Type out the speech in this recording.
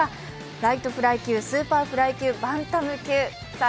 ライトフライ級、スーパーフライ級バンタム級、さあ